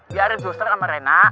biarin suster sama rena